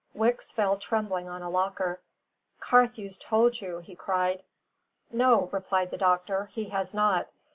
Wicks fell trembling on a locker. "Carthew's told you," he cried. "No," replied the doctor, "he has not.